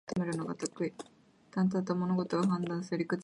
即ちそれは閉じたものであると同時に開いたものである。